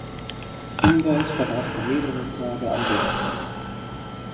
Humboldt verbrachte mehrere Tage am Berg.